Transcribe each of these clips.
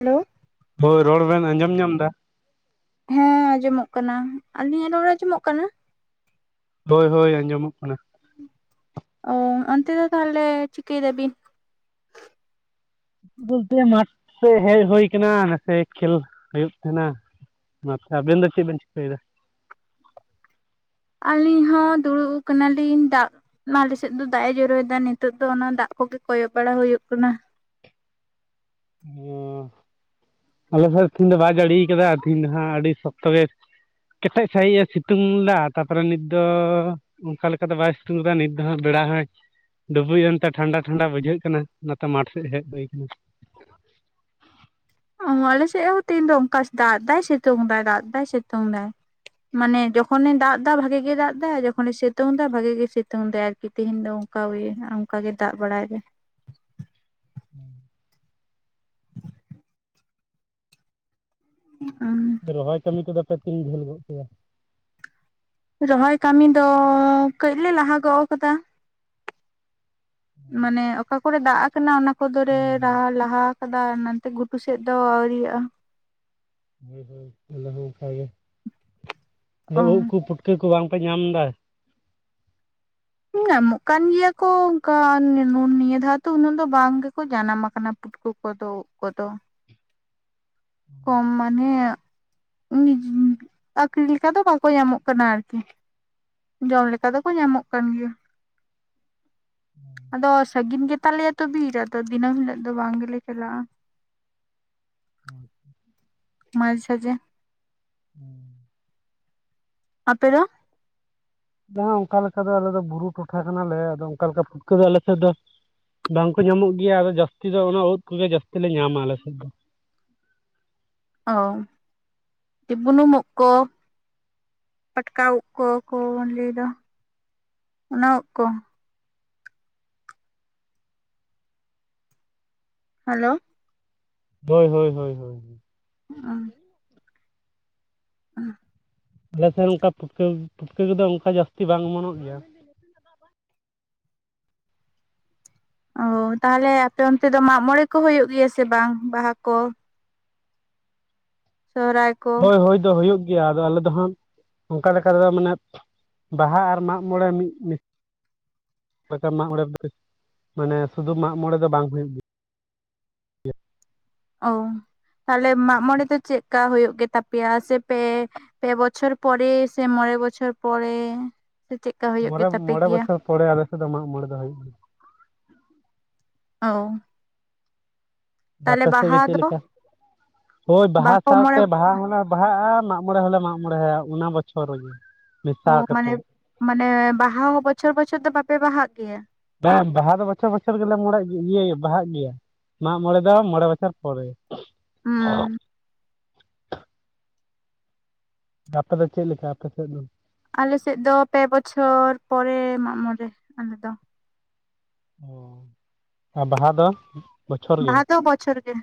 ᱞᱳ ᱦᱳᱭ ᱨᱚᱲ ᱵᱮᱱ ᱟᱸᱡᱚᱢ ᱧᱟᱢ ᱫᱟ? ᱦᱮᱸ ᱟᱸᱡᱚᱢᱚᱜ ᱠᱟᱱᱟ᱾ᱟᱹᱞᱤᱧᱟᱜ ᱨᱚᱲ ᱟᱸᱡᱚᱢᱚᱜ ᱠᱟᱱᱟ? ᱦᱳᱭ ᱦᱳᱭ ᱟᱸᱡᱚᱢᱚᱜ ᱠᱟᱱᱟ᱾ ᱚ ᱚᱱᱛᱮ ᱫᱚ ᱛᱟᱦᱞᱮ ᱪᱤᱠᱟᱹᱭ ᱫᱟ ᱵᱤᱱ? ᱵᱳᱞᱛᱮ ᱢᱟᱴ ᱥᱮᱡ ᱦᱮᱡ ᱦᱳᱭ ᱠᱟᱱᱟ ᱱᱟᱥᱮ ᱠᱷᱮᱞ ᱦᱩᱭᱩᱜ ᱛᱮᱦᱮᱱᱟ, ᱢᱟ ᱛᱷᱟ ᱟᱵᱮᱱ ᱫᱚ ᱪᱮᱫ ᱵᱮᱱ ᱪᱤᱠᱟᱹᱭ ᱫᱟ? ᱟᱹᱞᱤᱧ ᱦᱚᱸ ᱫᱩᱲᱩᱜ ᱠᱟᱱᱟᱞᱤᱧ ᱫᱟᱜ ᱢᱟ ᱞᱮ ᱥᱮᱫ ᱫᱚ ᱫᱟᱜ ᱮ ᱡᱚᱨᱚᱭ ᱫᱟ ᱱᱤᱛᱳᱜ ᱫᱚ ᱚᱱᱟ ᱫᱟᱜ ᱠᱚᱜᱮ ᱠᱚᱭᱚᱜ ᱵᱟᱲᱟ ᱦᱩᱭᱩᱜ ᱠᱟᱱᱟ᱾ [unintelligible] ᱟᱞᱮ ᱥᱮᱡ ᱫᱚ ᱛᱤᱦᱤᱧ ᱫᱚ ᱵᱟᱭ ᱡᱟᱹᱲᱤᱭ ᱠᱟᱫᱟ ᱛᱤᱦᱤᱧ ᱫᱚ ᱦᱟᱸᱜ ᱟᱹᱰᱤ ᱥᱚᱠᱛᱚ ᱜᱮ ᱠᱮᱴᱮᱡ ᱥᱟᱦᱤᱡ ᱮ ᱥᱤᱛᱩᱝ ᱞᱫᱟ ᱛᱟᱯᱚᱨᱮ ᱱᱤᱛ ᱫᱚ ᱚᱝᱠᱟ ᱞᱮᱠᱟᱛᱮ ᱵᱟᱭ ᱥᱤᱛᱩᱝ ᱫᱟ ᱱᱤᱛ ᱫᱚ ᱦᱟᱜ ᱵᱮᱲᱟ ᱦᱟᱸᱪ ᱰᱩᱵᱩᱡ ᱮᱱᱛᱮ ᱴᱷᱟᱱᱰᱟ ᱴᱷᱟᱱᱰᱟ ᱵᱩᱡᱷᱟᱹᱜ ᱠᱟᱱᱟ ᱚᱱᱟᱛᱮ ᱢᱟᱴᱷ ᱥᱮᱡ ᱦᱮᱜ ᱦᱩᱭ ᱠᱟᱱᱟ᱾ ᱚᱻ ᱟᱞᱮᱥᱮᱜ ᱦᱚᱸ ᱛᱮᱦᱮᱧ ᱫᱚ ᱚᱝᱠᱟ ᱫᱟᱜ ᱫᱟᱭ ᱥᱤᱛᱩᱝ ᱮᱟᱭ ᱫᱟᱜ ᱫᱟᱭ ᱥᱤᱛᱩᱝ ᱫᱟᱭ, ᱢᱟᱱᱮ ᱡᱚᱠᱷᱚᱱᱮ ᱫᱟᱜ ᱫᱟ ᱵᱷᱟᱜᱮ ᱜᱮ ᱫᱟᱜ ᱫᱟᱭ ᱡᱚᱠᱷᱚᱱᱮ ᱥᱤᱛᱳᱝ ᱫᱟ ᱵᱷᱟᱜᱤ ᱜᱮ ᱥᱤᱛᱳᱝ ᱫᱟᱭ ᱟᱨᱠᱤ ᱛᱮᱦᱮᱧ ᱫᱚ᱾ ᱠᱟ ᱦᱩᱭᱱᱟ, ᱚᱝᱠᱟ ᱜᱮ ᱫᱟᱜ ᱵᱟᱲᱟᱭ ᱮᱫᱟᱭ᱾ ᱦᱩᱸ᱾ ᱩᱸ ᱟᱻ᱾ ᱨᱚᱦᱚᱭ ᱛᱚ, ᱱᱤᱛᱚᱜ ᱫᱚᱯᱮ ᱛᱤᱱ ᱡᱷᱟᱹᱞ ᱜᱚᱫ ᱠᱮᱭᱟ? ᱨᱚᱦᱚᱭ ᱠᱟᱹᱢᱤ ᱫᱚ ᱠᱟᱹᱡ ᱞᱮ ᱞᱟᱦᱟ ᱜᱚᱜ ᱠᱟᱫᱟ᱾ ᱢᱟᱱᱮ ᱚᱠᱟ ᱠᱚᱨᱮ ᱫᱟᱜ ᱠᱟᱱᱟ, ᱚᱱᱟ ᱠᱚᱫᱚ ᱨᱮ ᱦᱳᱭ ᱨᱟᱦᱟ ᱦᱳᱭ ᱞᱟᱦᱟ ᱠᱟᱫᱟᱭ᱾ ᱱᱟᱱᱛᱮ ᱜᱷᱩᱴᱩ ᱥᱮᱫ ᱫᱚ ᱟᱹᱣᱨᱤᱭᱟᱜ-ᱟ᱾ ᱦᱳᱭ ᱦᱳᱭ, ᱟᱞᱮ ᱦᱚᱸ ᱱᱟᱯᱟᱭ ᱜᱮ ᱚ ᱟᱫᱚ ᱩᱫ ᱠᱚ, ᱯᱩᱴᱠᱟᱹ ᱠᱚ ᱵᱟᱝ ᱯᱮ ᱧᱟᱢ ᱮᱫᱟ? ᱧᱟᱢᱚᱜ ᱠᱟᱱ ᱜᱮᱭᱟ ᱠᱚ, ᱚᱝᱠᱟ ᱱᱮ ᱱᱤᱭᱟᱹ ᱫᱷᱟᱣ ᱫᱚ ᱩᱱᱟᱹᱜ ᱫᱚ ᱵᱟᱝ ᱜᱮᱠᱚ ᱡᱟᱱᱟᱢᱟ ᱠᱟᱱᱟ᱾ ᱩᱫ ᱠᱚᱫᱚ, ᱩᱫ ᱠᱚᱫᱚ ᱠᱚᱢ ᱢᱟᱱᱮ ᱩᱱᱤ ᱟᱹᱠᱷᱨᱤᱧ ᱞᱮᱠᱟ ᱫᱚ ᱵᱟᱠᱚ ᱧᱟᱢᱚᱜ ᱠᱟᱱᱟ ᱟᱹᱨᱠᱤ᱾ ᱡᱚᱢ ᱞᱮᱠᱟ ᱫᱚᱠᱚ ᱧᱟᱢᱚᱜ ᱠᱟᱱ ᱜᱮᱭᱟ᱾ ᱟᱫᱚ ᱥᱟᱹᱜᱤᱱ ᱜᱮ ᱛᱟᱞᱮᱭᱟ ᱛᱚ ᱵᱤᱨ, ᱟᱫᱚ ᱫᱤᱱᱟᱹᱢ ᱦᱤᱞᱚᱜ ᱫᱚ ᱵᱟᱝ ᱜᱮᱞᱮ ᱪᱟᱞᱟᱜᱼᱟ᱾ [inaudible] ᱢᱟᱡᱮ ᱥᱟᱡᱮ ᱦᱮᱸ᱾ ᱟᱯᱮ ᱫᱚ? ᱵᱟᱝ ᱚᱱᱠᱟ ᱞᱮᱠᱟ ᱫᱚ ᱟᱞᱮ ᱫᱚ ᱵᱩᱨᱩ ᱴᱚᱴᱷᱟ ᱠᱟᱱᱟ ᱞᱮ, ᱟᱫᱚ ᱚᱱᱠᱟ ᱞᱮᱠᱟ ᱯᱷᱩᱴᱠᱟ ᱫᱚ ᱟᱞᱮ ᱥᱮᱜ ᱫᱚ ᱵᱟᱝ ᱠᱚ ᱧᱟᱢᱚᱜ ᱜᱮᱭᱟ᱾ ᱟᱫᱚ ᱡᱟᱹᱥᱛᱤ ᱫᱚ ᱚᱱᱟ ᱩᱫ ᱠᱚᱜᱮ ᱡᱟᱹᱥᱛᱤ ᱞᱮ ᱧᱟᱢᱟ, ᱟᱞᱮᱥᱮᱫ ᱫᱚ᱾ ᱚ ᱵᱩᱱᱩᱢ ᱩᱫ ᱠᱚ᱾ ᱯᱟᱴᱠᱟᱣ ᱩᱫ ᱠᱚ, ᱠᱚ ᱞᱟᱹᱭ ᱮᱫᱟ ᱚᱱᱟ ᱩᱜ ᱠᱚ? ᱦᱮᱞᱳ? ᱦᱳᱭ, ᱦᱳᱭ, ᱦᱳᱭ, ᱦᱳᱭ᱾ ᱦᱚᱸ᱾ ᱦᱚᱸ᱾ ᱟᱞᱮ ᱥᱮᱱ ᱚᱱᱠᱟ ᱯᱩᱴᱠᱟᱹ ᱯᱩᱴᱠᱟᱹ ᱠᱚᱫᱚ ᱚᱱᱠᱟ ᱡᱟᱹᱥᱛᱤ ᱵᱟᱝ ᱚᱢᱚᱱᱚᱜ ᱜᱮᱭᱟ᱾ ᱚ ᱛᱟᱦᱞᱮ ᱟᱯᱮ ᱚᱱᱛᱮ ᱫᱚ ᱢᱟᱜ ᱢᱚᱬᱮ ᱠᱚ ᱦᱩᱭᱩᱜ ᱜᱮᱭᱟ ᱥᱮ ᱵᱟᱝ ᱵᱟᱦᱟ ᱠᱚ? ᱥᱚᱦᱚᱨᱟᱭ ᱦᱳᱭ ᱦᱳᱭ ᱫᱚ ᱦᱩᱭᱩᱜ ᱜᱮᱭᱟ᱾ ᱟᱫᱚ ᱟᱞᱮ ᱫᱚ ᱦᱟᱸᱜ ᱚᱱᱠᱟ ᱞᱮᱠᱟᱛᱮ ᱫᱚ ᱢᱟᱱᱮ ᱵᱟᱦᱟ ᱟᱨ ᱢᱟᱜ ᱢᱚᱬᱮ ᱢᱤᱜ ᱪᱮ ᱞᱮᱠᱟ ᱢᱟᱜ ᱢᱚᱬᱮ ᱫᱚ, ᱢᱟᱱᱮ ᱥᱩᱫᱩ ᱢᱟᱜ ᱢᱚᱬᱮ ᱫᱚ ᱵᱟᱝ ᱦᱩᱭᱩᱜ ᱜᱤᱭᱟ᱾ ᱳᱸ ᱛᱟᱦᱞᱮ ᱢᱟᱜ ᱢᱚᱬᱮ ᱫᱚ ᱪᱮᱜ ᱦᱳᱭᱳᱜ ᱜᱮᱛᱟ ᱯᱮᱭᱟ ᱥᱮ ᱯᱮ ᱯᱮ ᱵᱚᱪᱷᱚᱨ ᱯᱚᱨᱮ ᱥᱮ ᱢᱚᱬᱮ ᱵᱚᱪᱷᱚᱨ ᱯᱚᱨᱮ ᱥᱮ ᱪᱮᱫ ᱢᱚᱬᱮ ᱢᱚᱬᱮ ᱵᱚᱪᱷᱚᱨ ᱯᱚᱨᱮ ᱟᱞᱮ ᱥᱮᱫ ᱫᱚ ᱢᱟᱜ ᱢᱚᱬᱮ ᱫᱚ ᱦᱩᱭᱩᱜ ᱜᱤᱭᱟ᱾ ᱚᱸ᱾ ᱟᱯᱮ ᱥᱮᱜ ᱜᱮ ᱪᱮᱫ ᱫᱚ ᱞᱮᱠᱟ? ᱦᱳᱭ ᱵᱟᱦᱟ ᱥᱟᱶᱛᱮ ᱵᱟᱦᱟ ᱦᱚᱸᱱᱟ ᱵᱟᱦᱟᱜᱼᱟ, ᱢᱟᱜ ᱢᱚᱬᱮ ᱦᱚᱞᱮ ᱢᱟᱜ ᱢᱚᱬᱮᱦᱟᱭᱟ ᱚᱱᱟ ᱵᱚᱪᱷᱚᱨ ᱨᱮᱜᱮ᱾ ᱢᱮᱥᱟ ᱚᱸ ᱠᱟᱛᱮᱫ ᱢᱟᱱᱮ ᱢᱟᱱᱮ ᱵᱟᱦᱟ ᱦᱚᱸ ᱵᱚᱪᱷᱚᱨ ᱵᱚᱪᱷᱚᱨ ᱫᱚ ᱵᱟᱯᱮ ᱵᱟᱦᱟᱜ ᱜᱮᱭᱟ? ᱵᱟᱝ ᱵᱟᱦᱟ ᱫᱚ ᱵᱚᱪᱷᱚᱨ ᱵᱚᱪᱷᱚᱨ ᱜᱮᱞᱮ ᱢᱚᱬᱮ ᱤᱭᱤᱭᱮᱹ ᱵᱟᱦᱟᱜ ᱜᱮᱭᱟ, ᱢᱟᱜ ᱢᱚᱬᱮ ᱫᱚ ᱢᱚᱬᱮ ᱵᱚᱪᱷᱚᱨ ᱯᱚᱨᱮ᱾ [inaudible] ᱦᱩᱸ ᱟᱯᱮ ᱫᱚ ᱪᱮᱫ ᱞᱮᱠᱟ ᱟᱯᱮ ᱥᱮᱜ ᱫᱚ? ᱟᱞᱮ ᱥᱮᱜ ᱫᱚ ᱯᱮ ᱵᱚᱪᱷᱚᱨ ᱯᱚᱨᱮ ᱢᱟᱜ ᱢᱚᱬᱮ ᱟᱞᱮ ᱫᱚ᱾ ᱚᱸᱻ ᱟᱨ ᱵᱟᱦᱟ ᱫᱚ? ᱵᱚᱪᱷᱚᱨ ᱵᱟᱦᱟ ᱫᱚ ᱵᱚᱪᱷᱚᱨ ᱜᱮ᱾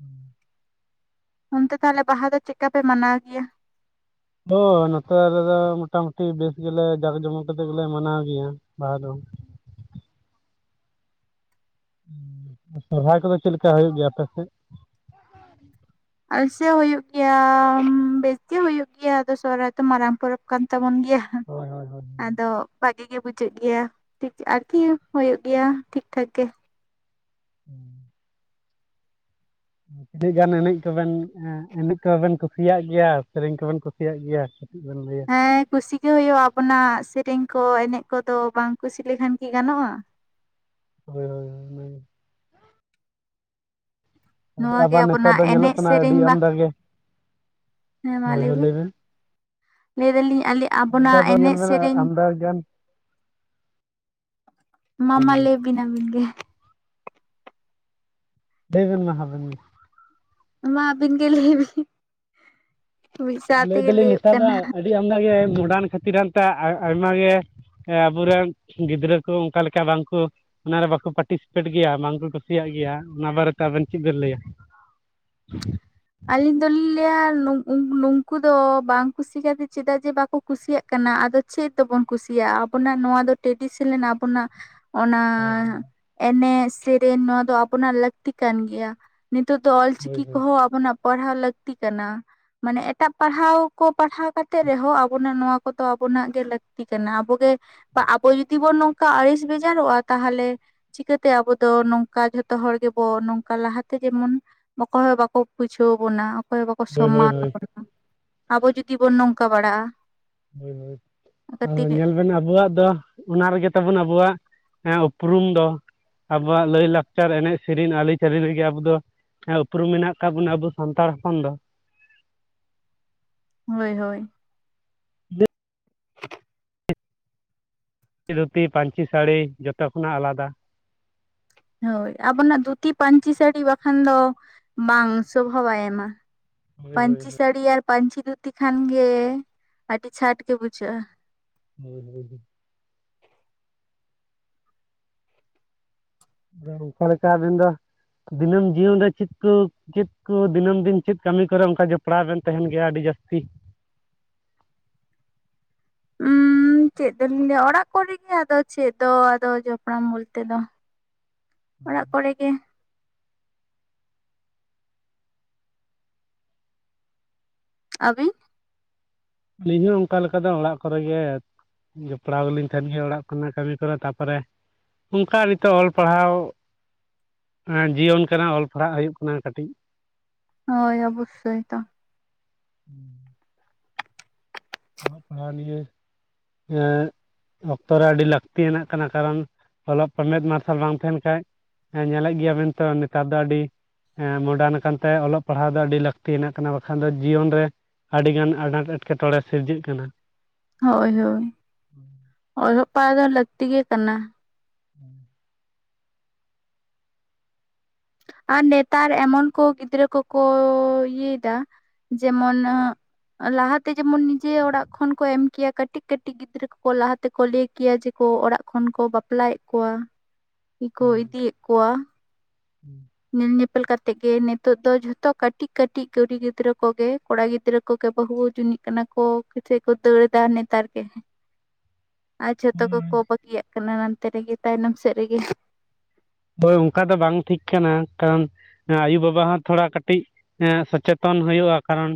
ᱦᱩᱸ᱾ ᱚᱱᱛᱮ ᱛᱟᱦᱞᱮ ᱵᱟᱦᱟ ᱫᱚ ᱪᱮᱜᱠᱟ ᱯᱮ ᱢᱟᱱᱟᱣ ᱜᱤᱭᱟ? ᱦᱳᱭ ᱱᱚᱛᱮ ᱨᱮᱫᱚ ᱢᱚᱴᱟ ᱢᱩᱴᱤ ᱵᱮᱥ ᱜᱮᱞᱮ ᱡᱟᱠ ᱡᱚᱢᱚᱠ ᱠᱟᱛᱮᱜ ᱜᱮᱞᱮ ᱢᱟᱱᱟᱣ ᱜᱮᱭᱟ᱾ ᱵᱟᱦᱟ ᱫᱳ ᱩᱸ ᱥᱚᱨᱦᱟᱭ ᱠᱚᱫᱚ ᱪᱮᱫ ᱞᱮᱠᱟ ᱦᱩᱭᱩᱜ ᱜᱮᱭᱟ ᱟᱯᱮ ᱥᱮᱜ? ᱟᱥᱥᱟᱹ ᱦᱩᱭᱩᱜ ᱜᱮᱭᱟ ᱵᱮᱥᱛᱤ ᱦᱩᱭᱩᱜ ᱜᱤᱭᱟ ᱟᱫᱚ ᱥᱚᱦᱨᱟᱭ ᱫᱚ ᱢᱟᱨᱟᱝ ᱯᱚᱨᱚᱵᱽ ᱠᱟᱱ ᱛᱟᱵᱚᱱ ᱜᱤᱭᱟ, ᱦᱳᱭ ᱦᱳᱭ ᱦᱳᱭ ᱟᱫᱚ ᱵᱷᱟᱹᱜᱤ ᱜᱮ ᱵᱩᱡᱷᱟᱹᱜ ᱜᱮᱭᱟ ᱴᱷᱤᱠ ᱟᱨᱠᱤ ᱦᱳᱭᱳᱜ ᱜᱮᱭᱟ ᱴᱷᱤᱠ ᱴᱷᱟᱠ ᱜᱮ᱾ ᱩᱸ ᱛᱤᱱᱟᱹᱜ ᱜᱟᱱ ᱮᱱᱮᱡ ᱠᱚᱵᱮᱱ ᱮᱸ ᱮᱱᱮᱡ ᱠᱚᱵᱮᱱ ᱠᱩᱥᱤᱭᱟᱜ ᱜᱮᱭᱟ ᱥᱮᱨᱮᱧ ᱠᱚᱵᱮᱱ ᱠᱩᱥᱤᱭᱟᱜ ᱜᱮᱭᱟ? ᱪᱤᱜ ᱵᱮᱱ ᱞᱟᱹᱭᱟ? ᱦᱮᱸ ᱠᱩᱥᱤ ᱜᱮ ᱦᱩᱭᱩᱜ-ᱟ ᱟᱵᱚᱱᱟᱜ ᱥᱮᱨᱮᱧ ᱠᱚ ᱮᱱᱮᱡ ᱠᱚᱫᱚ ᱵᱟᱝ ᱠᱩᱥᱤ ᱞᱮᱠᱷᱟᱱ ᱠᱤ ᱜᱟᱱᱚᱜ-ᱟ ᱦᱳᱭ ᱦᱳᱭ ᱢᱳᱭ ᱱᱚᱣᱟ ᱜᱮ ᱟᱵᱟᱨ ᱱᱮᱛᱟᱨ ᱟᱵᱚᱱᱟᱜ ᱫᱚ ᱧᱮᱞᱚᱜ ᱮᱱᱮᱡ ᱠᱟᱱᱟ ᱟᱹᱰᱤ ᱥᱮᱨᱮᱧ ᱵᱟ ᱟᱢᱫᱟ ᱜᱮ ᱦᱮᱸ ᱢᱟ ᱦᱳᱭ ᱞᱟᱹᱭ ᱦᱳᱭ ᱵᱤᱱ ᱞᱟᱹᱭᱵᱮᱱ ᱞᱟᱹᱭ ᱫᱟᱞᱤᱧ ᱟᱞᱮ ᱱᱮᱛᱟᱨ ᱟᱵᱚᱱᱟᱜ ᱫᱚ ᱧᱮᱞ ᱮᱱᱮᱡ ᱵᱮᱱ ᱦᱟᱜ ᱥᱮᱨᱮᱧ ᱟᱢᱫᱟ ᱜᱟᱱ ᱢᱟ ᱢᱟ ᱞᱮᱭᱵᱤᱱ ᱟᱹᱵᱤᱱ ᱜᱮ ᱞᱟᱹᱭ ᱵᱮᱱ ᱢᱟ ᱟᱵᱮᱱ ᱜᱮ ᱢᱟ ᱟᱹᱵᱤᱱ ᱜᱮ ᱞᱟᱹᱭ ᱵᱤᱱ ᱢᱤᱜ ᱥᱟᱶ ᱞᱟᱹᱭ ᱛᱮᱜᱮ ᱫᱟᱞᱤᱧ ᱞᱟᱹᱭᱳᱜ ᱱᱮᱛᱟᱨ ᱫᱚ ᱠᱟᱱᱟ ᱟᱹᱰᱤ ᱟᱢᱫᱟ ᱜᱮ ᱢᱚᱰᱟᱱ ᱠᱷᱟᱹᱛᱤᱨᱟᱱᱛᱮ ᱟᱭ ᱟᱭᱢᱟ ᱜᱮ ᱮ ᱟᱵᱩᱨᱮᱱ ᱜᱤᱫᱽᱨᱟᱹ ᱠᱩ ᱚᱝᱠᱟ ᱞᱮᱠᱟ ᱵᱟᱝᱠᱩ ᱚᱱᱟᱨᱮ ᱵᱟᱠᱚ ᱯᱟᱴᱤᱥᱤᱯᱮᱴ ᱜᱮᱭᱟ ᱵᱟᱝᱠᱚ ᱠᱩᱥᱤᱭᱟᱜ ᱜᱮᱭᱟ ᱚᱱᱟ ᱵᱟᱨᱮᱛᱮ ᱟᱵᱮᱱ ᱪᱤᱜ ᱵᱮᱱ ᱞᱟᱹᱭᱟ? [inaudible] ᱟᱹᱞᱤᱧ ᱫᱚᱞᱤᱧ ᱞᱟᱹᱭᱟ ᱱᱩᱝᱠᱩ ᱫᱚ ᱵᱟᱝ ᱠᱩᱥᱤ ᱠᱟᱛᱮ ᱪᱮᱫᱟᱜ ᱡᱮ ᱵᱟᱠᱚ ᱠᱩᱥᱤᱭᱟᱜ ᱠᱟᱱᱟ ᱟᱫᱚ ᱪᱮᱫ ᱛᱮᱵᱚᱱ ᱠᱩᱥᱤᱭᱟᱜ-ᱟ ᱟᱵᱚᱱᱟᱜ ᱱᱚᱣᱟ ᱫᱚ ᱴᱮᱰᱤᱥᱮᱱᱮᱞ ᱟᱵᱚᱱᱟᱜ ᱚᱱᱟ ᱦᱳᱭ ᱮᱱᱮᱡ ᱥᱮᱨᱮᱱ ᱱᱚᱣᱟ ᱫᱚ ᱟᱵᱚᱱᱟᱜ ᱞᱟᱹᱠᱛᱤ ᱠᱟᱱ ᱜᱮᱭᱟ᱾ ᱱᱤᱛᱳᱜ ᱫᱚ ᱦᱳᱭ ᱚᱞᱪᱤᱠᱤ ᱦᱳᱭ ᱠᱚᱦᱚᱸ ᱟᱵᱚᱱᱟᱜ ᱯᱟᱲᱦᱟᱣ ᱞᱟᱹᱠᱛᱤ ᱠᱟᱱᱟ᱾ ᱢᱟᱱᱮ ᱮᱴᱟᱜ ᱯᱟᱲᱦᱟᱣ ᱠᱚ ᱯᱟᱲᱦᱟᱣ ᱠᱟᱛᱮᱜ ᱨᱮᱦᱚᱸ ᱟᱵᱚᱱᱟᱜ ᱱᱚᱣᱟ ᱠᱚᱫᱚ ᱟᱵᱚᱱᱟᱜ ᱜᱮ ᱞᱟᱹᱠᱛᱤ ᱠᱟᱱᱟ ᱟᱵᱚᱜᱮ ᱟᱵᱚ ᱡᱩᱫᱤ ᱵᱚᱱ ᱱᱚᱝᱠᱟ ᱟᱹᱲᱤᱥ ᱵᱷᱮᱡᱟᱨᱚᱜ-ᱟ ᱛᱟᱦ ᱞᱮ ᱪᱤᱠᱟᱹᱛᱮ ᱟᱵᱚ ᱫᱚ ᱱᱚᱝᱠᱟ ᱡᱷᱚᱛᱚ ᱦᱚᱲ ᱜᱮᱵᱚ ᱱᱚᱝᱠᱟ ᱞᱟᱦᱟᱛᱮ ᱡᱮᱢᱚᱱ ᱚᱠᱚᱭ ᱦᱚᱸ ᱵᱟᱠᱚ ᱵᱩᱡᱷᱟᱹᱣ ᱵᱚᱱᱟ ᱚᱠᱚᱭ ᱵᱟᱠᱚ ᱦᱳᱭ ᱥᱚᱢᱢᱟᱱ ᱦᱳᱭ ᱦᱳᱭ ᱟᱵᱚᱱᱟ ᱟᱵᱚ ᱡᱩᱫᱤ ᱵᱚᱱ ᱱᱚᱝᱠᱟ ᱵᱟᱲᱟᱜ-ᱟ᱾ ᱦᱳᱭ ᱦᱳᱭ ᱧᱮᱞ ᱵᱮᱱ ᱟᱵᱚᱣᱟᱜ ᱫᱚ ᱚᱱᱟ ᱨᱮᱜᱮ ᱛᱟᱵᱚᱱ ᱟᱵᱚᱣᱟᱜ ᱩᱯᱨᱩᱢ ᱫᱚ᱾ ᱟᱵᱚᱣᱟᱜ ᱞᱟᱹᱭ ᱞᱟᱠᱪᱟᱨ ᱮᱱᱮᱡ ᱥᱮᱨᱮᱱ ᱟᱹᱞᱤᱪᱟᱹᱞᱤ ᱨᱮᱜᱮ ᱟᱵᱚᱞᱽ ᱫᱚ ᱦᱮᱸ ᱩᱯᱨᱩᱢ ᱢᱮᱱᱟᱜ ᱟᱠᱟᱫ ᱵᱚᱱᱟ ᱟᱵᱚ ᱥᱟᱱᱛᱟᱲ ᱦᱚᱯᱚᱱ ᱫᱚ, ᱦᱳᱭ ᱦᱳᱭ ᱪᱤ ᱫᱷᱩᱛᱤ ᱯᱟᱹᱧᱪᱤ ᱥᱟᱹᱲᱤ ᱡᱚᱛᱚ ᱠᱷᱚᱱᱟᱜ ᱟᱞᱟᱫᱟ, ᱦᱳᱭ ᱟᱵᱚᱱᱟᱜ ᱫᱷᱩᱛᱤ ᱯᱟᱹᱧᱪᱤ ᱥᱟᱹᱲᱤ ᱵᱟᱠᱷᱟᱱ ᱫᱚ ᱵᱟᱝ ᱥᱚᱵᱷᱟ ᱵᱟᱭ ᱮᱢᱟ᱾ ᱦᱳᱭ ᱦᱳᱭ ᱯᱟᱹᱧᱪᱤ ᱦᱳᱭ ᱥᱟᱹᱲᱤ ᱟᱨ ᱯᱟᱹᱧᱪᱤ ᱫᱷᱩᱛᱤ ᱠᱷᱟᱱᱜᱮ ᱟᱹᱰᱤ ᱪᱷᱟᱴ ᱜᱮ ᱵᱩᱡᱷᱟᱹᱜ-ᱟ᱾ [unintelligible] ᱟᱫᱚ ᱚᱝᱠᱟᱮ ᱞᱮᱠᱟ ᱟᱵᱤᱱ ᱫᱚ ᱫᱤᱱᱟᱹᱢ ᱡᱤᱭᱚᱱ ᱨᱮ ᱪᱤᱫ ᱠᱩ ᱪᱮᱫ ᱠᱩ ᱫᱤᱱᱟᱹᱢ ᱫᱤᱱ ᱪᱮᱫ ᱠᱟᱹᱢᱤ ᱠᱚᱨᱮ ᱚᱱᱠᱟ ᱡᱚᱯᱲᱟᱣ ᱵᱮᱱ ᱛᱟᱦᱮᱱ ᱜᱮᱭᱟ ᱟᱹᱰᱤ ᱡᱟᱹᱥᱛᱤ? ᱩᱢ ᱪᱮᱫ ᱫᱚᱞᱤᱧ ᱞᱟᱹᱭᱟ ᱚᱲᱟᱜ ᱠᱚᱨᱮ ᱜᱮ ᱟᱫᱚ ᱪᱮᱫ ᱫᱚ ᱟᱫᱚ ᱡᱚᱯᱲᱟᱢ ᱵᱚᱞᱛᱮ ᱫᱚ ᱚᱲᱟᱜ ᱠᱚᱨᱮ ᱜᱮ᱾ ᱟᱹᱵᱤᱱ? ᱟᱹᱞᱤᱧ ᱦᱚᱸ ᱚᱱᱠᱟ ᱞᱮᱠᱟ ᱫᱚ ᱚᱲᱟᱜ ᱠᱚᱨᱮ ᱜᱮ᱾ ᱡᱚᱯᱲᱟᱣ ᱜᱮᱞᱤᱧ ᱛᱟᱦᱮᱱ ᱜᱮ ᱚᱲᱟᱜ ᱠᱷᱚᱱᱟᱜ ᱠᱟᱹᱢᱤ ᱠᱚᱨᱮ ᱛᱟᱯᱚᱨᱮ ᱚᱱᱠᱟ ᱱᱤᱛᱚᱜ ᱚᱞ ᱯᱟᱲᱦᱟᱣ ᱦᱟᱸ ᱡᱤᱭᱚᱱ ᱠᱟᱱᱟ ᱚᱞ ᱯᱟᱲᱦᱟᱜ ᱦᱩᱭᱩᱜ ᱠᱟᱱᱟ ᱠᱟᱹᱴᱤᱡ᱾ ᱦᱳᱭ ᱚᱵᱚᱥᱥᱳᱭ ᱛᱚ᱾ ᱦᱩᱸ᱾ ᱚᱞᱚᱜ ᱯᱟᱲᱦᱟᱣ ᱱᱤᱭᱟᱹ ᱮᱸᱜ ᱚᱠᱛᱚ ᱨᱮ ᱟᱹᱰᱤ ᱞᱟᱹᱠᱛᱤᱭᱟᱱᱟᱜ ᱠᱟᱱᱟ ᱠᱟᱨᱚᱱ ᱚᱞᱚᱜ ᱢᱮᱫ ᱢᱟᱨᱥᱟᱞ ᱵᱟᱝ ᱛᱟᱦᱮᱸᱱ ᱠᱷᱟᱡ ᱦᱮᱸ ᱧᱮᱞᱮᱫ ᱜᱮᱭᱟᱵᱤᱱ ᱛᱚ ᱱᱮᱛᱟᱨ ᱫᱚ ᱟᱹᱰᱤ ᱮᱸ ᱢᱚᱰᱟᱨᱱ ᱠᱟᱱᱛᱮ ᱚᱞᱚᱜ ᱯᱟᱲᱦᱟᱣ ᱫᱚ ᱟᱹᱰᱤ ᱞᱟᱹᱠᱛᱤ ᱭᱟᱱᱟᱜ ᱠᱟᱱᱟ ᱵᱟᱠᱷᱟᱱ ᱫᱚ ᱡᱤᱭᱚᱱ ᱨᱮ ᱟᱹᱰᱤ ᱜᱟᱱ ᱟᱱᱟᱴ ᱮᱴᱠᱮᱴᱚᱬᱮ ᱥᱤᱨᱡᱟᱹᱜ ᱠᱟᱱᱟ᱾ ᱦᱳᱭ ᱦᱳᱭ ᱚᱞᱦᱚᱜ ᱯᱟᱲᱦᱟᱣ ᱫᱚ ᱞᱟᱹᱠᱛᱤ ᱜᱮ ᱠᱟᱱᱟ᱾ ᱦᱩᱸ᱾ ᱟᱨ ᱱᱮᱛᱟᱨ ᱮᱢᱚᱱ ᱠᱚ ᱜᱤᱫᱽᱨᱟᱹ ᱠᱚᱠᱚ ᱤᱭᱟᱹᱭᱫᱟ ᱡᱮᱢᱚᱱ ᱞᱟᱦᱟ ᱛᱮ ᱡᱮᱢᱚᱱ ᱱᱤᱡᱮ ᱚᱲᱟᱜ ᱠᱷᱚᱱ ᱠᱚ ᱮᱢ ᱠᱮᱭᱟ ᱠᱟᱹᱴᱤᱡ ᱠᱟᱹᱴᱤᱡ ᱜᱤᱫᱽᱨᱟᱹ ᱠᱚ ᱞᱟᱦᱟ ᱛᱮᱠᱚ ᱞᱟᱹᱭ ᱠᱮᱭᱟ ᱡᱮ ᱠᱚ ᱚᱲᱟᱜ ᱠᱷᱚᱱ ᱠᱚ ᱵᱟᱯᱞᱟᱭᱮᱫ ᱠᱚᱣᱟ ᱠᱚ ᱤᱫᱤᱭᱮᱫ ᱠᱚᱣᱟ, ᱧᱮᱞ ᱧᱮᱯᱮᱞ ᱠᱟᱛᱮᱜ ᱜᱮ, ᱱᱤᱛᱚᱜ ᱫᱚ ᱡᱷᱚᱛᱚ ᱠᱟᱹᱴᱤᱡ ᱠᱟᱹᱴᱤᱡ ᱠᱩᱲᱤ ᱜᱤᱫᱽᱨᱟᱹ ᱠᱚᱜᱮ ᱠᱚᱲᱟ ᱜᱤᱫᱽᱨᱟᱹ ᱠᱚᱜᱮ ᱵᱟᱹᱦᱩ ᱡᱩᱱᱤᱡ ᱠᱟᱱᱟ ᱠᱚ [unintelligible] ᱠᱚ ᱫᱟᱹᱲ ᱫᱟ ᱱᱮᱛᱟᱨ ᱜᱮ᱾ ᱟᱨ ᱡᱷᱚᱛᱚ ᱠᱚᱠᱚ ᱦᱳᱭ ᱵᱟᱹᱜᱤᱭᱟᱜ ᱠᱟᱱᱟ ᱱᱟᱱᱛᱮ ᱨᱮᱜᱮ ᱛᱟᱭᱱᱚᱢ ᱥᱮᱫ ᱨᱮᱜᱮ᱾ ᱦᱳᱭ ᱚᱱᱠᱟ ᱫᱚ ᱵᱟᱝ ᱴᱷᱤᱠ ᱠᱟᱱᱟ ᱠᱟᱨᱚᱱ ᱮᱸ ᱟᱭᱩᱼᱵᱟᱵᱟ ᱦᱚᱸ ᱛᱷᱚᱲᱟ ᱠᱟᱹᱴᱤᱡ ᱮᱸ ᱥᱚᱪᱮᱛᱚᱱ ᱦᱩᱭᱩᱜᱼᱟ ᱠᱟᱨᱚᱱ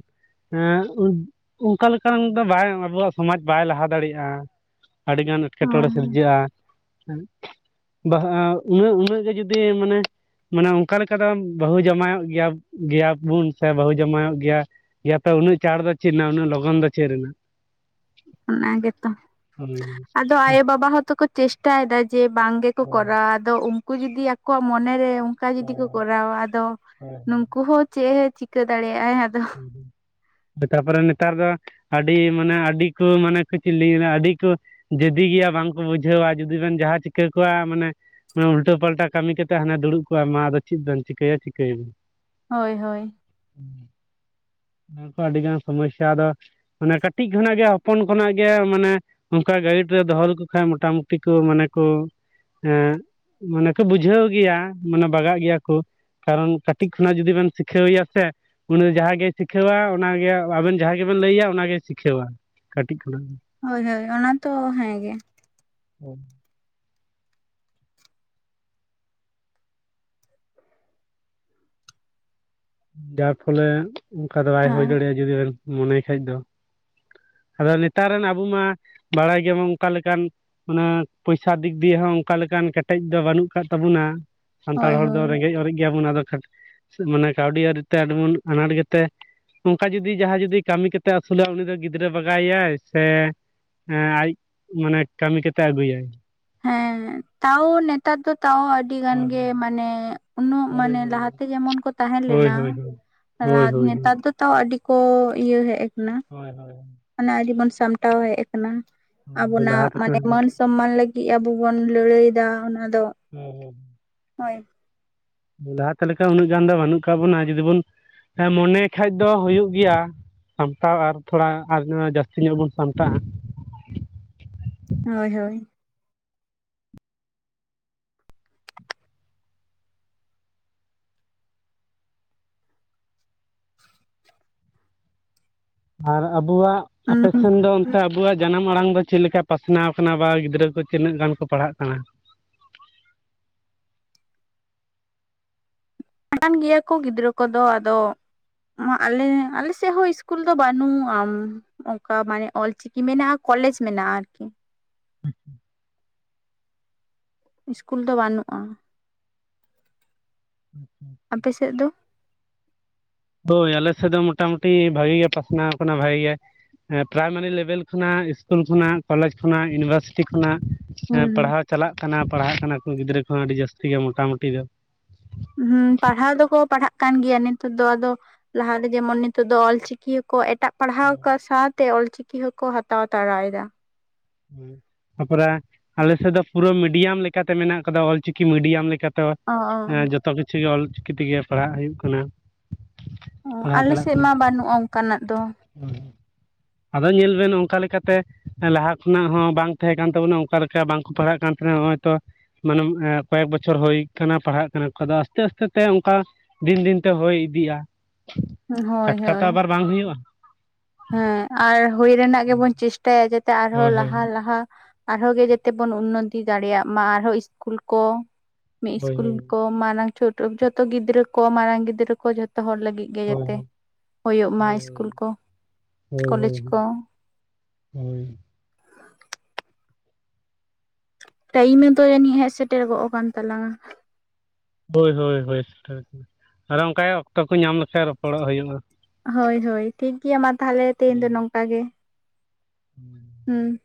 ᱮᱸᱜ ᱚᱝᱠᱟ ᱞᱮᱠᱟᱱ ᱫᱚ ᱵᱟᱭ ᱟᱵᱚᱣᱟᱜ ᱥᱚᱢᱟᱡ ᱵᱟᱭ ᱞᱟᱦᱟ ᱫᱟᱲᱮᱭᱟᱜᱼᱟ᱾ ᱟᱹᱰᱤ ᱜᱟᱱ ᱮᱸᱴᱠᱮᱴᱚᱬᱮ ᱦᱳᱭ ᱥᱤᱨᱡᱟᱹᱜᱼᱟ ᱵᱟᱦ ᱩᱱᱟᱹᱜ ᱮᱸ ᱩᱱᱟᱹᱜ ᱜᱮ ᱡᱩᱫᱤ ᱢᱟᱱᱮ ᱢᱟᱱᱮ ᱚᱱᱠᱟ ᱞᱮᱠᱟ ᱫᱚ ᱵᱟᱹᱦᱩ ᱡᱟᱣᱭᱚᱜ ᱜᱮᱭᱟ ᱜᱮᱭᱟ ᱵᱚᱱ ᱥᱮ ᱵᱟᱹᱦᱩ ᱡᱟᱶᱟᱭᱚᱜ ᱜᱮᱭᱟ, ᱜᱮᱭᱟᱛᱚ ᱩᱱᱟᱹᱜ ᱪᱟᱲ ᱫᱚ ᱪᱮᱫ ᱨᱮᱱᱟᱜ ᱩᱱᱟᱹᱜ ᱞᱚᱜᱚᱱ ᱫᱚ ᱪᱮᱫ ᱨᱮᱱᱟᱜ? ᱚᱱᱟ ᱜᱮᱛᱚ᱾ ᱦᱳᱭ ᱟᱫᱚ ᱟᱭᱳ ᱵᱟᱵᱟ ᱦᱚᱸᱛᱚ ᱠᱚ ᱪᱮᱥᱴᱟᱭᱫᱟ ᱡᱮ ᱵᱟᱝ ᱜᱮᱠᱚ ᱦᱳᱭ ᱠᱚᱨᱟᱣᱟ ᱟᱫᱚ ᱩᱝ ᱠᱩ ᱡᱩᱫᱤ ᱟᱠᱚᱣᱟᱜ ᱢᱚᱱᱮᱨᱮ ᱚᱝᱠᱟ ᱡᱩᱫᱤ ᱦᱳᱭ ᱠᱚ ᱠᱚᱨᱟᱣᱟ ᱟᱫᱚ ᱦᱳᱭ ᱱᱩᱝᱠᱩ ᱦᱚᱸ ᱪᱮᱜ ᱮ ᱪᱤᱠᱟᱹ ᱫᱟᱲᱮᱭᱟᱜ-ᱟᱭ ᱟᱫᱚ᱾ ᱛᱟᱨᱯᱚᱨᱮ ᱱᱮᱛᱟᱨ ᱫᱚ ᱟᱹᱰᱤ ᱢᱟᱱᱮ ᱟᱹᱰᱤ ᱠᱟᱹ ᱢᱟᱱᱮ [unintelligible] ᱟᱹᱰᱤ ᱠᱟᱹ ᱡᱮᱫᱤ ᱜᱮᱭᱟ ᱵᱟᱝᱠᱚ ᱵᱩᱡᱷᱟᱹᱣᱟ ᱡᱩᱫᱤ ᱵᱮᱱ ᱡᱟᱦᱟᱸ ᱪᱤᱠᱟᱹ ᱠᱚᱣᱟ ᱢᱟᱱᱮ ᱢᱟᱱᱮ ᱩᱞᱴᱟᱹ ᱯᱟᱞᱴᱟ ᱠᱟᱹᱢᱤ ᱠᱟᱛᱮᱜ ᱦᱟᱸᱱᱮ ᱫᱩᱲᱩᱵ ᱠᱚᱜ-ᱟ ᱟᱫᱚ ᱪᱮᱫ ᱫᱚᱢ ᱪᱤᱠᱟᱹᱭᱟ ᱪᱤᱠᱟᱹᱭ ᱵᱤᱱ᱾ ᱦᱳᱭ ᱦᱳᱭ᱾ [inaudible] ᱚᱱᱟ ᱠᱚ ᱟᱹᱰᱤᱜᱟᱱ ᱥᱚᱢᱚᱥᱥᱟ ᱟᱫᱚ ᱢᱟᱱᱮ ᱠᱟᱹᱴᱤᱡ ᱠᱷᱚᱱᱟᱜ ᱜᱮ ᱦᱚᱯᱚᱱ ᱠᱷᱚᱱᱟᱜ ᱜᱮ ᱢᱟᱱᱮ ᱚᱝᱠᱟ ᱜᱟᱭᱤᱰ ᱨᱮ ᱫᱚᱦᱚ ᱞᱮᱠᱚ ᱠᱷᱟᱡ ᱢᱚᱴᱟᱢᱩᱴᱤ ᱠᱚ ᱢᱟᱱᱮ ᱠᱚ ᱮᱸᱜ ᱢᱟᱱᱮ ᱠᱚ ᱵᱩᱡᱷᱟᱹᱣ ᱜᱮᱭᱟ ᱢᱟᱱᱮ ᱵᱟᱜᱟᱜ ᱜᱮᱭᱟ ᱠᱚ᱾ ᱠᱟᱨᱚᱱ ᱠᱟᱹᱴᱤᱡ ᱠᱷᱚᱱᱟᱜ ᱡᱩᱫᱤ ᱵᱮᱱ ᱥᱤᱠᱷᱟᱹᱣᱮᱭᱟ ᱥᱮ ᱩᱱᱤ ᱡᱟᱦᱟᱸ ᱜᱮ ᱥᱤᱠᱷᱟᱹᱣᱟ ᱚᱱᱟᱜᱮ ᱟᱵᱮᱱ ᱡᱟᱦᱟᱸ ᱜᱮᱵᱮᱱ ᱞᱟᱹᱭᱟ ᱚᱱᱟᱜᱮ ᱥᱤᱠᱷᱟᱹᱣᱟ ᱠᱟᱹᱴᱤᱡ ᱠᱷᱚᱱᱟᱜ ᱫᱚ᱾ ᱦᱳᱭ ᱦᱳᱭ ᱚᱱᱟ ᱛᱚ ᱦᱮᱸᱜᱮ᱾ ᱦᱩᱸ᱾ ᱡᱟᱨ ᱯᱷᱚᱞᱮ ᱚᱝᱠᱟ ᱫᱚ ᱵᱟᱭ ᱦᱩᱭ ᱦᱮᱸ ᱫᱟᱲᱮᱭᱟᱜᱼᱟ ᱡᱩᱫᱤ ᱵᱮᱱ ᱢᱚᱱᱮᱭ ᱠᱷᱟᱡ ᱫᱚ᱾ ᱟᱫᱚ ᱱᱮᱛᱟᱨ ᱨᱮᱱ ᱟᱵᱚ ᱢᱟ ᱵᱟᱲᱟᱭ ᱜᱮᱵᱚᱱ ᱚᱝᱠᱟ ᱞᱮᱠᱟᱱ ᱚᱱᱟ ᱯᱚᱭᱥᱟ ᱫᱤᱠ ᱫᱤᱭᱮ ᱦᱚᱸ ᱚᱝᱠᱟ ᱞᱮᱠᱟᱱ ᱠᱮᱴᱮᱡ ᱫᱚ ᱵᱟᱹᱱᱩᱜ ᱠᱟᱫ ᱛᱟᱵᱚᱱᱟ, ᱥᱟᱱᱛᱟᱲ ᱦᱳᱭ ᱦᱚᱲ ᱫᱚ ᱦᱳᱭ ᱨᱮᱸᱜᱮᱡ ᱚᱨᱮᱡ ᱜᱮᱭᱟᱵᱚᱱ ᱟᱫᱚ ᱢᱟᱱᱮ ᱠᱟᱹᱣᱰᱤ ᱟᱹᱨᱤᱛᱮ ᱟᱰᱤ ᱵᱚᱱ ᱟᱱᱟᱴ ᱜᱮᱛᱮ ᱚᱝᱠᱟ ᱡᱩᱫᱤ ᱡᱟᱦᱟᱸᱭ ᱡᱩᱫᱤ ᱠᱟᱹᱢᱤ ᱠᱟᱛᱮ ᱟᱹᱥᱩᱞᱟᱭ ᱩᱱᱤ ᱫᱚ ᱜᱤᱫᱽᱨᱟᱹ ᱵᱟᱜᱟᱣᱮᱭᱟᱭ ᱥᱮ᱾ ᱦᱮᱸ ᱟᱡ ᱢᱟᱱᱮ ᱠᱟᱹᱢᱤ ᱠᱟᱛᱮ ᱟᱹᱜᱩᱭᱟᱭ᱾ ᱦᱮᱸ ᱛᱟᱣ ᱱᱮᱛᱟᱨ ᱫᱚ ᱛᱟᱣ ᱟᱹᱰᱤ ᱜᱟᱱ ᱜᱮ ᱢᱟᱱᱮ᱾ ᱩᱱᱟᱹᱜ ᱦᱳᱭ ᱢᱟᱱᱮ ᱦᱳᱭ ᱞᱟᱦᱟᱛᱮ ᱡᱮᱢᱚᱱ ᱠᱚ ᱛᱟᱦᱮᱸ ᱦᱳᱭ ᱦᱳᱭ ᱞᱮᱱᱟ ᱦᱳᱭ ᱦᱳᱭ ᱦᱳᱭ ᱨᱟᱛ ᱦᱳᱭ ᱱᱮᱛᱟᱨ ᱫᱚ᱾ ᱛᱟᱣ ᱟᱹᱰᱤ ᱠᱚ ᱤᱭᱟᱹ ᱦᱮᱡ ᱟᱠᱟᱱᱟ᱾ ᱦᱳᱭ ᱦᱳᱭ ᱢᱟᱱᱮ ᱟᱰᱤ ᱵᱚᱱ ᱥᱟᱢᱴᱟᱣ ᱦᱮᱡ ᱟᱠᱟᱱᱟ ᱦᱳᱭ ᱞᱟᱦᱟ ᱟᱵᱚᱱᱟᱜ ᱛᱮᱠᱚ ᱢᱟᱱᱮ ᱢᱟᱹᱱ᱾ ᱦᱳᱭ ᱥᱚᱢᱢᱟᱱ ᱞᱟᱹᱜᱤᱫ ᱟᱵᱚ ᱵᱚᱱ ᱞᱟᱹᱲᱦᱟᱹᱭᱮᱫᱟ ᱚᱱᱟ ᱫᱚ᱾ ᱦᱩᱸ ᱦᱩᱸ ᱦᱳᱭ ᱞᱟᱦᱟᱛᱮ ᱞᱮᱠᱟ ᱩᱱᱟᱹᱜ ᱜᱟᱱ ᱫᱚ ᱵᱟᱹᱱᱩᱜ ᱠᱟᱜ ᱵᱚᱱᱟ ᱡᱩᱫᱤ ᱵᱚᱱ ᱢᱚᱱᱮ ᱠᱷᱟᱡ ᱫᱚ ᱦᱩᱭᱩᱜ ᱜᱮᱭᱟ᱾ ᱥᱟᱢᱴᱟᱣ ᱟᱨ ᱛᱷᱚᱲᱟ ᱟᱨ ᱡᱟᱹᱥᱛᱤ ᱧᱚᱜ ᱵᱚᱱ ᱥᱟᱢᱴᱟᱜ-ᱟ᱾ ᱦᱳᱭ ᱦᱳᱭ ᱟᱨ ᱟᱵᱚᱣᱟᱜ ᱟᱯᱮ ᱩᱸ ᱥᱮᱱ ᱫᱚ ᱚᱱᱛᱮ ᱟᱵᱩᱣᱟᱜ ᱡᱟᱱᱟᱢ᱾ ᱢᱟᱲᱟᱝ ᱫᱚ ᱪᱮᱫ ᱞᱮᱠᱟ ᱯᱟᱥᱱᱟᱣ ᱠᱟᱱᱟ ᱵᱟ ᱜᱤᱫᱽᱨᱟᱹ ᱠᱚ ᱛᱤᱱᱟᱹᱜ ᱜᱟᱱ ᱠᱚ ᱯᱟᱲᱦᱟᱜ ᱠᱟᱱᱟ᱾ ᱫᱟᱲᱟᱱ ᱜᱮᱭᱟ ᱠᱚ ᱜᱤᱫᱽᱨᱟᱹ ᱠᱚᱫᱚ ᱟᱫᱚ᱾ ᱢᱟ ᱟᱞᱮ ᱟᱞᱮᱥᱮᱫ ᱦᱚᱸ ᱤᱥᱠᱩᱞ ᱫᱚ ᱵᱟᱹᱱᱩᱜ ᱟᱢ᱾ ᱚᱝᱠᱟ ᱢᱟᱱᱮ ᱚᱞᱪᱤᱠᱤ ᱢᱮᱱᱟᱜ-ᱟ ᱠᱚᱞᱮᱡᱽ ᱢᱮᱱᱟᱜ-ᱟ ᱟᱨᱠᱤ᱾ [unintelligible] ᱤᱥᱠᱩᱞ ᱫᱚ ᱵᱟᱹᱱᱩᱜ-ᱟ ᱟᱯᱮ ᱥᱮᱫ ᱫᱚ᱾ ᱦᱳᱭ ᱟᱞᱮ ᱥᱮᱫ ᱫᱚ ᱢᱚᱴᱟᱢᱩᱴᱤ ᱵᱷᱟᱜᱤ ᱜᱮ ᱯᱟᱥᱱᱟᱣ ᱟᱠᱟᱱᱟ ᱵᱷᱟᱜᱮ ᱜᱮ᱾ ᱦᱮᱸ ᱯᱨᱟᱭᱢᱟᱨᱤ ᱞᱮᱵᱮᱞ ᱠᱷᱚᱱᱟᱜ ᱤᱥᱠᱩᱞ ᱠᱷᱚᱱᱟᱜ ᱠᱚᱞᱮᱡᱽ ᱠᱷᱚᱱᱟᱜ ᱤᱭᱩᱱᱤᱵᱷᱟᱨᱥᱤᱴᱤ ᱠᱷᱚᱱᱟᱜ᱾ ᱦᱮᱸ ᱦᱩᱸ ᱯᱟᱲᱦᱟᱣ ᱪᱟᱞᱟᱜ ᱠᱟᱱᱟ ᱯᱟᱲᱦᱟᱜ ᱠᱟᱱᱟ ᱠᱩ ᱜᱤᱫᱽᱨᱟᱹ ᱠᱚᱦᱚᱸ ᱟᱹᱰᱤ ᱡᱟᱹᱥᱛᱤ ᱜᱮᱭᱟ ᱢᱚᱴᱟᱢᱩᱴᱤ ᱫᱚ᱾ ᱦᱩᱸ ᱯᱟᱲᱦᱟᱣ ᱫᱚᱠᱚ ᱯᱟᱲᱦᱟᱜ᱾ ᱠᱟᱱ ᱜᱮᱭᱟ ᱱᱤᱛᱚᱜ ᱫᱚ ᱟᱫᱚ ᱞᱟᱦᱟᱛᱮ ᱡᱮᱢᱚᱱ ᱱᱤᱛᱚᱜ ᱫᱚ ᱚᱞ ᱪᱤᱠᱤᱠᱚ ᱮᱴᱟᱜ ᱯᱟᱲᱦᱟᱣ ᱟᱠᱟᱫ ᱥᱟᱛ᱾ ᱛᱮ ᱚᱞᱪᱤᱠᱤ ᱦᱚᱸᱠᱚ ᱦᱟᱛᱟᱣ ᱛᱟᱲᱟᱭᱮᱫᱟ᱾ ᱛᱟᱯᱚᱨᱮ ᱟᱞᱮ ᱥᱮᱫ ᱫᱚ ᱯᱩᱨᱟᱹ ᱢᱤᱰᱤᱭᱟᱢ ᱞᱮᱠᱟᱛᱮ ᱢᱮᱱᱟᱜ ᱠᱟᱫᱟ ᱚᱞᱪᱤᱠᱤ ᱢᱤᱰᱤᱭᱟᱢ ᱞᱮᱠᱟᱛᱮ᱾ ᱚ ᱦᱮᱸ ᱡᱚᱛᱚ ᱠᱤᱪᱷᱩ ᱜᱮ ᱚᱞᱪᱤᱠᱤ ᱛᱮᱜᱮ ᱯᱟᱲᱦᱟᱜ ᱦᱩᱭᱩᱜ ᱠᱟᱱᱟ᱾ ᱚ ᱟᱞᱮ ᱥᱮᱡ ᱢᱟ ᱵᱟᱹᱱᱩᱜ-ᱟ ᱚᱝᱠᱟᱱᱟᱜ ᱫᱚ᱾ ᱦᱩᱸ ᱟᱫᱚ ᱧᱮᱞ ᱵᱮᱱ ᱚᱱᱠᱟ ᱞᱮᱠᱟᱛᱮ ᱞᱟᱦᱟ ᱠᱷᱚᱱᱟᱜ ᱦᱚᱸ ᱵᱟᱝ ᱛᱟᱦᱮᱸ ᱠᱟᱱ ᱛᱟᱵᱚᱱᱟ ᱚᱱᱠᱟ ᱞᱮᱠᱟ ᱵᱟᱝ ᱠᱚ ᱯᱟᱲᱦᱟᱜ ᱠᱟᱱ᱾ ᱱᱚᱜᱼᱚᱭ ᱛᱚ ᱢᱟᱱᱮ ᱠᱚᱭᱮᱠ ᱵᱚᱪᱷᱚᱨ ᱦᱩᱭ ᱠᱟᱱᱟ ᱯᱟᱲᱦᱟᱜ ᱠᱟᱱᱟ ᱟᱫᱚ ᱟᱥᱛᱮ ᱟᱥᱛᱮ ᱛᱮ ᱚᱱᱠᱟ᱾ ᱫᱤᱱ ᱫᱤᱱᱛᱮ ᱦᱚᱭ ᱤᱫᱤᱜᱼᱟ ᱦᱳᱭ ᱴᱟᱴᱠᱟ ᱛᱚ ᱦᱳᱭ ᱟᱵᱟᱨ ᱵᱟᱝ ᱦᱩᱭᱩᱜᱼᱟ᱾ ᱦᱮᱸ ᱟᱨ ᱦᱩᱭ ᱨᱮᱱᱟᱜ ᱜᱮᱵᱚᱱ ᱪᱮᱥᱴᱟᱭᱟ ᱡᱟᱛᱮ ᱟᱨᱦᱚᱸ ᱦᱳᱭ ᱦᱳᱭ ᱞᱟᱦᱟ ᱞᱟᱦᱟ᱾ ᱟᱨᱦᱚᱸ ᱜᱮ ᱡᱮᱛᱮ ᱵᱚᱱ ᱩᱱᱚᱛᱤ ᱫᱟᱲᱮᱭᱟᱜ ᱢᱟ ᱟᱨᱦᱚᱸ ᱤᱥᱠᱩᱞ ᱠᱚ ᱢᱤᱫ ᱦᱳᱭ ᱤᱥᱠᱩᱞ ᱠᱚ᱾ ᱢᱟᱨᱟᱝ ᱪᱷᱚᱴᱚ ᱡᱷᱚᱛᱚ ᱜᱤᱫᱽᱨᱟᱹ ᱠᱚ ᱢᱟᱨᱟᱝ ᱜᱤᱫᱽᱨᱟᱹ ᱠᱚ ᱡᱷᱚᱛᱚ ᱦᱚᱲ ᱞᱟᱹᱜᱤᱫ᱾ ᱜᱮ ᱡᱟᱛᱮ ᱦᱳᱭ ᱦᱳᱭᱳᱜ ᱢᱟ ᱦᱳᱭ ᱦᱳᱭ ᱤᱥᱠᱩᱞ ᱠᱚ᱾ ᱦᱳᱭ ᱠᱚᱞᱮᱡᱽ ᱠᱚ ᱦᱳᱭ ᱦᱳᱭ ᱴᱟᱭᱤᱢ [inaudible] ᱡᱟᱹᱱᱤᱡ ᱦᱮᱡ ᱥᱮᱴᱮᱨ ᱜᱚᱜ ᱟᱠᱟᱱ ᱛᱟᱞᱟᱝᱼᱟ᱾ ᱦᱳᱭ ᱦᱳᱭ ᱦᱳᱭ ᱥᱮᱴᱮᱨ ᱮᱱᱟ ᱟᱨ ᱚᱱᱠᱟ ᱚᱠᱛᱚ ᱠᱚ ᱧᱟᱢ ᱞᱮᱠᱷᱟᱱ ᱨᱚᱯᱚᱲᱚᱜ ᱦᱩᱭᱩᱜᱼᱟ᱾ ᱦᱳᱭ ᱦᱳᱭ ᱴᱷᱤᱠᱜᱮᱭᱟ ᱢᱟ ᱛᱟᱦᱚᱞᱮ ᱛᱮᱦᱮᱧ ᱫᱚ ᱦᱩᱸ, ᱱᱚᱝᱠᱟ ᱜᱮ᱾ [unintelligible] ᱦᱩᱸ